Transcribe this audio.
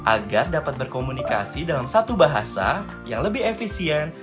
agar dapat berkomunikasi dalam satu bahasa yang lebih efisien